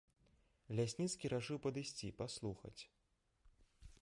Лясніцкі рашыў падысці, паслухаць.